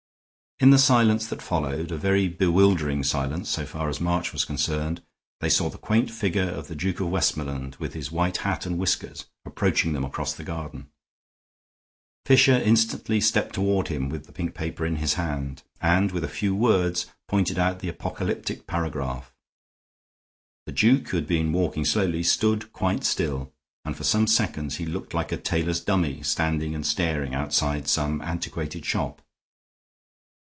In the silence that followed, a very bewildering silence so far as March was concerned, they saw the quaint figure of the Duke of Westmoreland, with his white hat and whiskers, approaching them across the garden. Fisher instantly stepped toward him with the pink paper in his hand, and, with a few words, pointed out the apocalyptic paragraph. The duke, who had been walking slowly, stood quite still, and for some seconds he looked like a tailor's dummy standing and staring outside some antiquated shop.